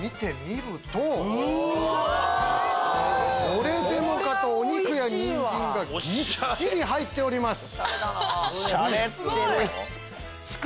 これでもかとお肉やニンジンがぎっしり入っております。